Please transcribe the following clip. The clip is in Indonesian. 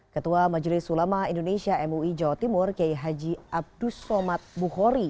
ketua majelis ulama indonesia mui jawa timur kiai haji abdus somad bukhori